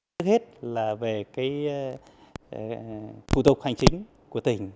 trước hết là về thủ tục hành chính của tỉnh